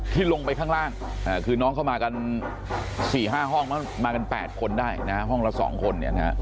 ที่ลงไปข้างล่างคือน้องเข้ามากัน๔๕ห้องมากัน๘คนได้นะห้องละ๒คน